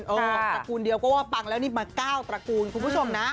ตระกูลเดียวก็ว่าปังแล้วนี่มา๙ตระกูลคุณผู้ชมนะ